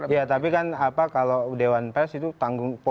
ya tapi kan apa kalau dewan pres itu tanggung